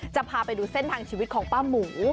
จะพาไปดูเส้นทางชีวิตของป้าหมู